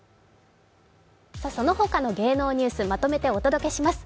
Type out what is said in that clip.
その他の芸能ニュース、まとめてお届けします。